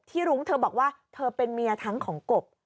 รุ้งเธอบอกว่าเธอเป็นเมียทั้งของกบ